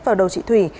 vào đầu chị thủy